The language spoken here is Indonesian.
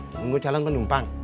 nunggu calon penumpang